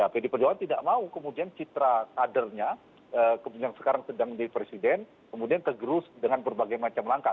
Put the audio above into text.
pdi perjuangan tidak mau kemudian citra kadernya sekarang sedang di presiden kemudian tergerus dengan berbagai macam langkah